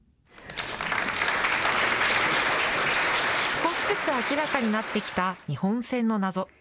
少しずつ明らかになってきた日本船の謎。